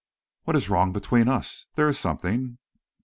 "What is wrong between us? There is something."